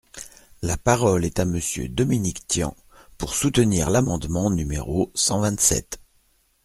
La parole est à Monsieur Dominique Tian, pour soutenir l’amendement numéro cent vingt-sept.